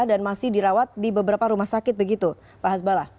dan masih dirawat di beberapa rumah sakit begitu pak hasbalah